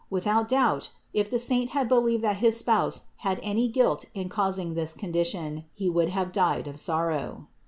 Without doubt, if the saint had believed that his Spouse had any guilt in causing this condition, he would have died of sorrow.